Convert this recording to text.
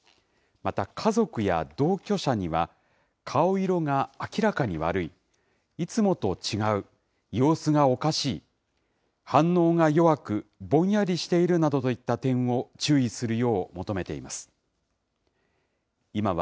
また、家族や同居者には、顔色が明らかに悪い、いつもと違う、様子がおかしい、反応が弱くぼんやりしているなどといった点を注意するよう求めています。